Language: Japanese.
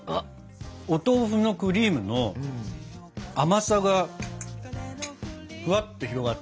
お豆腐のクリームの甘さがふわっと広がって。